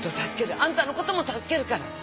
あんたのことも助けるから！